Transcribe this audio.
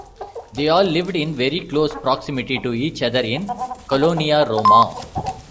They all lived in very close proximity to each other in Colonia Roma.